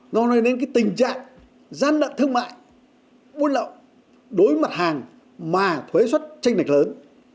nó là cái tình trạng gian lận thương mại buôn lậu đối mặt hàng mà thuế xuất tranh lệch lớn